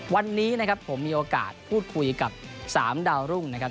วันนี้นะครับผมมีโอกาสพูดคุยกับ๓ดาวรุ่งนะครับ